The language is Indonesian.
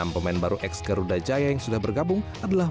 enam pemain baru ex garuda jaya yang sudah bergabung adalah